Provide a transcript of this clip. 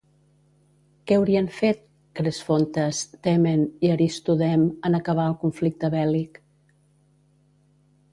Què haurien fet Cresfontes, Temen i Aristodem en acabar el conflicte bèl·lic?